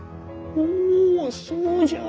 おそうじゃ。